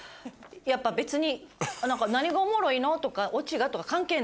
別に何がおもろいの？とかオチがとか関係ないんですよ。